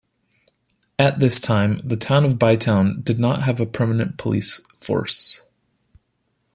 At this time, the town of Bytown did not have a permanent police force.